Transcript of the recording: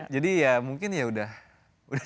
jadi ya mungkin ya udah